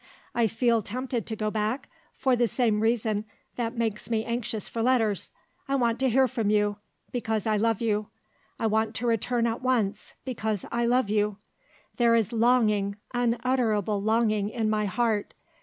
I feel tempted to go back, for the same reason that makes me anxious for letters. I want to hear from you, because I love you I want to return at once, because I love you. There is longing, unutterable longing, in my heart.